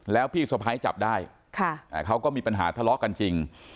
แล้วพี่สะพ้ายจับได้เขาก็มีปัญหาทะเลาะกันจริง